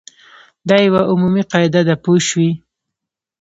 دا یوه عمومي قاعده ده پوه شوې!.